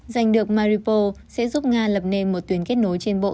giành được maripo sẽ giúp nga lập nên một tuyến kết nối trên bộ